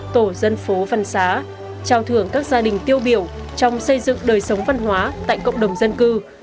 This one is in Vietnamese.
tổ dân phố văn xá trao thưởng các gia đình tiêu biểu trong xây dựng đời sống văn hóa tại cộng đồng dân cư